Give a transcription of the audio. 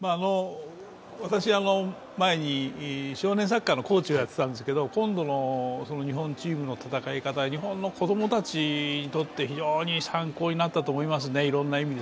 私、前に少年サッカーのコーチをやってたんですけど今度の日本チームの戦い方、日本の子供たちにとって非常に参考になったと思いますね、いろんな意味で。